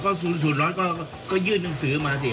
ก็ส่วนน้อยก็ยื่นหนังสือมาสิ